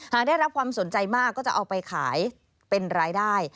หากได้รับความสนใจมากก็จะเอาไปขายเป็นรายได้